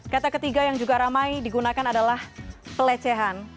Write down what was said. kata ketiga yang juga ramai digunakan adalah pelecehan